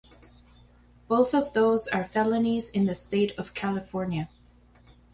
Both of those are felonies in the state of California.